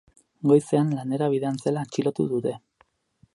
Goizean lanera bidean zela atxilotu dute.